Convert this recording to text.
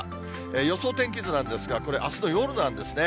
予想天気図なんですが、これ、あすの夜なんですね。